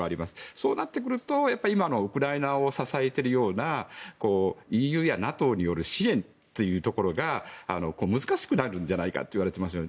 そうなってくると今のウクライナを支えているようなＥＵやＮＡＴＯによる支援というところが難しくなるんじゃないかといわれていますよね。